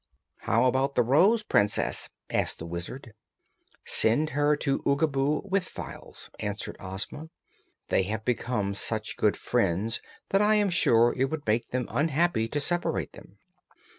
"How about the Rose Princess?" asked the Wizard. "Send her to Oogaboo with Files," answered Ozma. "They have become such good friends that I am sure it would make them unhappy to separate them."